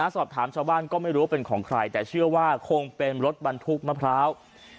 สอบถามชาวบ้านก็ไม่รู้ว่าเป็นของใครแต่เชื่อว่าคงเป็นรถบรรทุกมะพร้าว